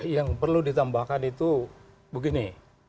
yang perlu ditambahkan itu begini